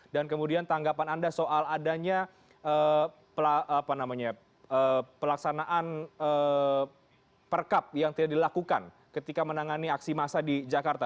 dan kemudian tanggapan anda soal adanya pelaksanaan perkap yang tidak dilakukan ketika menangani aksi masa di jakarta